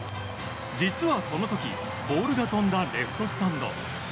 実はこの時ボールが飛んだレフトスタンド